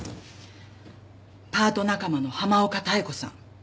パート仲間の浜岡妙子さん。